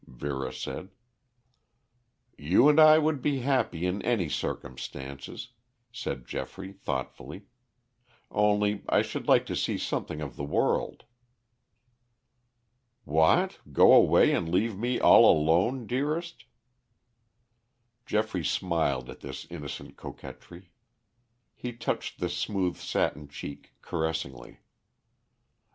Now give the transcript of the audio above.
Vera said. "You and I would be happy in any circumstances," said Geoffrey thoughtfully. "Only I should like to see something of the world." "What, go away and leave me all alone, dearest?" Geoffrey smiled at this innocent coquetry. He touched the smooth satin cheek caressingly.